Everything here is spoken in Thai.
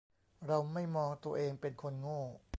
เราไม่มองตัวเองเป็นคนโง่